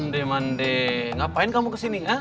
unde mande ngapain kamu kesini